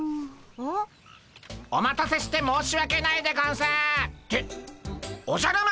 うん？お待たせして申し訳ないでゴンスっておじゃる丸！